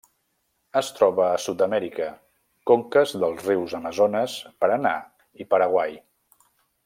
Es troba a Sud-amèrica: conques dels rius Amazones, Paranà i Paraguai.